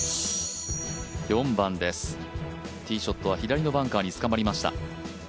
４番です、ティーショットは左のバンカーにつかまりました。